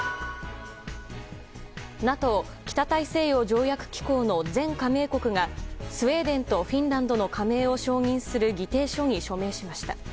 ＮＡＴＯ・北大西洋条約機構の全加盟国がスウェーデンとフィンランドの加盟を承認する議定書に署名しました。